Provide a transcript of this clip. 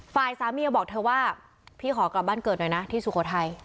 ฝ่ายสามีบอกเธอว่าพี่ขอกลับบ้านเกิดหน่อยนะที่สุโขทัย